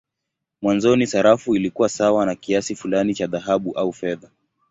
Mwanzoni sarafu ilikuwa sawa na kiasi fulani cha dhahabu au fedha.